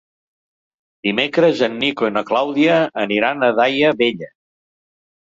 Dimecres en Nico i na Clàudia aniran a Daia Vella.